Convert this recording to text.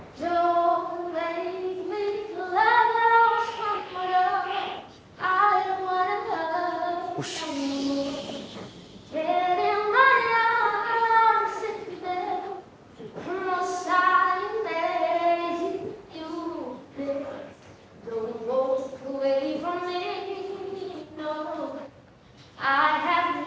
jangan buat aku mencintaimu